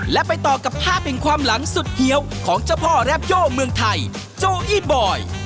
และไปต่อกับภาพแห่งความหลังสุดเฮียวของเจ้าพ่อแรปโยเมืองไทยโจอี้บอย